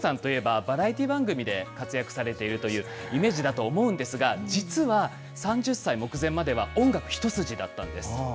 ＤＡＩＧＯさんといえば、バラエティー番組で活躍されているというイメージだと思うんですが、実は３０歳目前までは、音楽一筋だったんです。